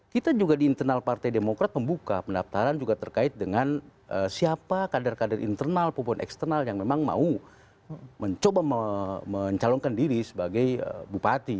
kita juga di internal partai demokrat membuka pendaftaran juga terkait dengan siapa kader kader internal maupun eksternal yang memang mau mencoba mencalonkan diri sebagai bupati